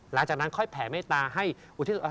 หลังจากนั้นค่อยแผ่เมตตาให้อุทิศ